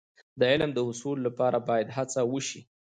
د علم د حصول لپاره باید هڅه وشي.